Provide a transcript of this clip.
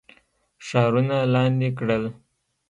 ښارونه لاندي کړل.